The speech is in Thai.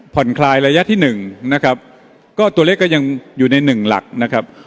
คลายระยะที่หนึ่งนะครับก็ตัวเลขก็ยังอยู่ในหนึ่งหลักนะครับ